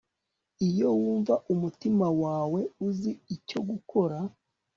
iyo wumva umutima wawe uzi icyo gukora